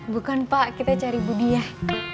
bukan pak kita cari budiah